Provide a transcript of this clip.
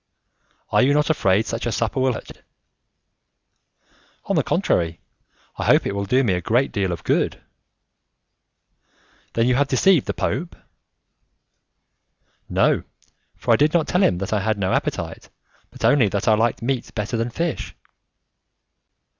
"Are you not afraid such a supper will hurt you?" he said. "On the contrary, I hope it will do me a great deal of good." "Then you have deceived the Pope?" "No, for I did not tell him that I had no appetite, but only that I liked meat better than fish."